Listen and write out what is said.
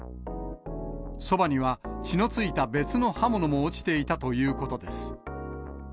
そばには血の付いた別の刃物も落ちていたということです。